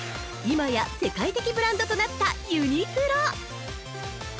今や世界的ブランドとなった「ユニクロ」。